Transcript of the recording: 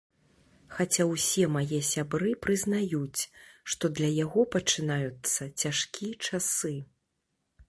Хаця ўсе мае сябры прызнаюць, што для яго пачынаюцца цяжкі часы.